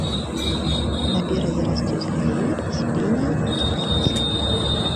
На беразе растуць гаі з піній і кіпарысаў.